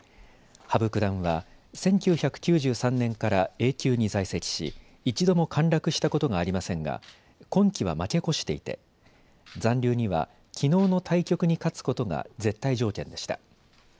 羽生九段は１９９３年からＡ級に在籍し一度も陥落したことがありませんが、今期は負け越していて、残留には、きのうの対局に勝つことが絶対条件でした。